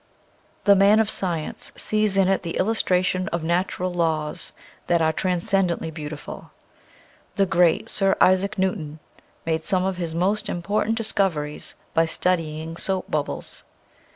The man of science sees in it the illustration of natural laws that are trans cendently beautiful. The great Sir Isaac Newton made some of his most important dis coveries by studying soap bubbles.